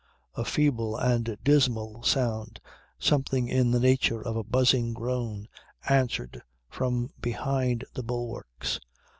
A feeble and dismal sound, something in the nature of a buzzing groan, answered from behind the bulwarks.